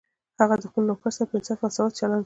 هغه د خپل نوکر سره په انصاف او مساوات چلند کوي